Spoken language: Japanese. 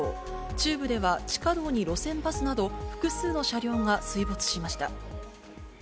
中部では、地下道に路線バスなど複数の車両が水没しました。